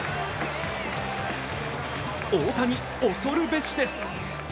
大谷、恐るべしです。